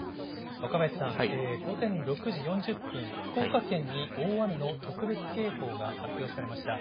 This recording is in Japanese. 若林さん、午前６時４０分、福岡県に大雨の特別警報が発表されました。